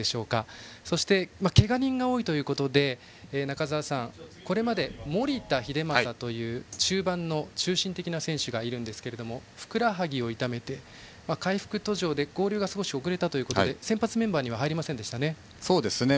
そしてけが人が多いということで中澤さん、これまで守田英正中盤の中心的な選手がいますがふくらはぎを痛めて回復途上で合流が少し遅れて先発メンバーには入りませんでしたね。